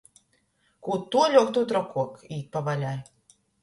Kū tuoļok, tū trokuok, īt pa vaļai!